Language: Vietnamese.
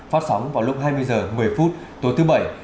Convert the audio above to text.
phát sóng vào lúc hai mươi h một mươi phút tối thứ bảy